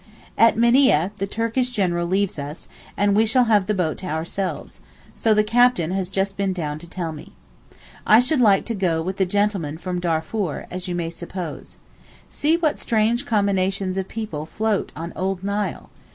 At Minieh the Turkish General leaves us, and we shall have the boat to ourselves, so the captain has just been down to tell me. I should like to go with the gentlemen from Darfor, as you may suppose. See what strange combinations of people float on old Nile.